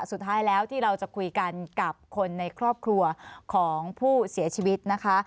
สุดท้ายแล้วที่เราจะคุยกันกับคนในครอบครัวของผู้เสียชีวิตนะคะ